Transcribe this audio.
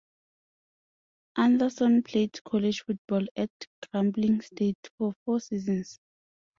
Anderson played college football at Grambling State for four seasons.